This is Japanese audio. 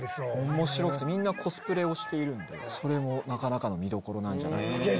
面白くてみんなコスプレをしているのでそれもなかなかの見どころなんじゃないかなと。